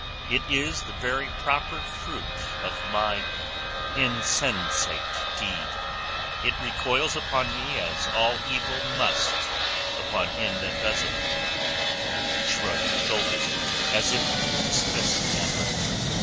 It is the very proper fruit of my insensate deed. It recoils upon me as all evil must upon him that does it." He shrugged his shoulders as if to dismiss the matter.